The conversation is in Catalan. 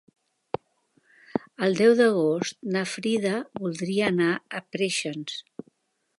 El deu d'agost na Frida voldria anar a Preixens.